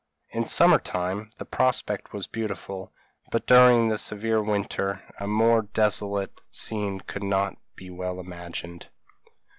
In summer time the prospect was beautiful: but during the severe winter, a more desolate scene could not well be imagined.